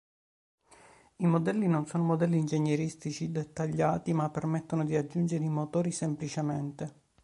I modelli non sono modelli ingegneristici dettagliati, ma permettono di aggiungere i motori semplicemente.